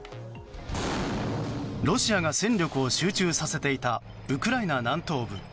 ロシアが戦力を集中させていたウクライナ南東部。